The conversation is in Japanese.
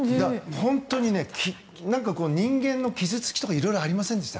本当に人間の傷付きとかありませんでした？